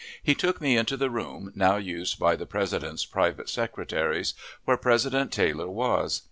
He took me into the room, now used by the President's private secretaries, where President Taylor was.